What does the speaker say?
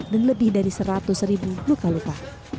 dan lebih dari seratus ribu luka luka